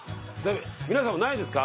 皆さんもないですか？